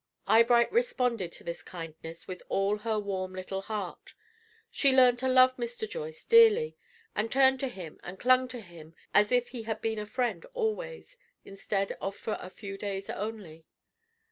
Eyebright responded to this kindness with all her warm little heart. She learned to love Mr. Joyce dearly, and turned to him and clung to him as if he had been a friend always instead of for a few days only.